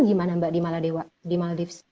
gimana mbak di maldives